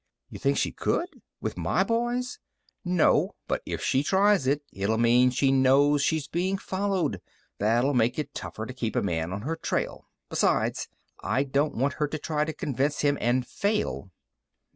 "You think she could? With my boys?" "No, but if she tries it, it'll mean she knows she's being followed. That'll make it tougher to keep a man on her trail. Besides, I don't want her to try to convince him and fail."